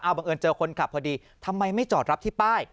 บังเอิญเจอคนขับพอดีทำไมไม่จอดรับที่ป้าย